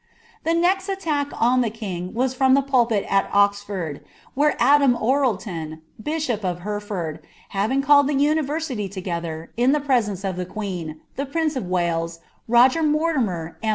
The next attack on the king was from the pulpit at Oxford, where idara Orleton, bishop of Hereford, having called the Univereity together, 1 the presence of the queen, the prince of Wales, Roger Mortimer, and *FcBden.